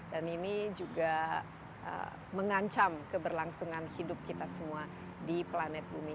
dan ini juga mengancam keberlangsungan hidup kita semua di planet bumi ini